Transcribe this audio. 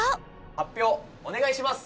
発表お願いします！